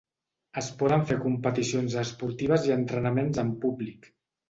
Es poden fer competicions esportives i entrenaments amb públic.